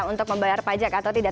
untuk membayar pajak atau tidak